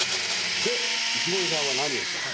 で石森さんは何をしたか。